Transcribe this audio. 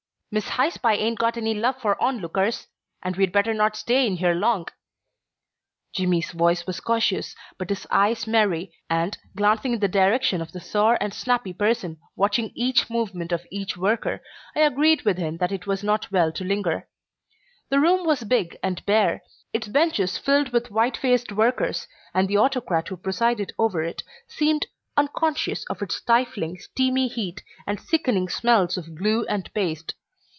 "Miss High Spy 'ain't got any love for on lookers, and we'd better not stay in here long." Jimmy's voice was cautious, but his eyes merry, and, glancing in the direction of the sour and snappy person watching each movement of each worker, I agreed with him that it was not well to linger. The room was big and bare, its benches filled with white faced workers, and the autocrat who presided over it seemed unconscious of its stifling, steamy heat and sickening smells of glue and paste.